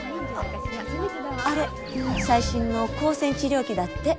あれ最新の光線治療器だって。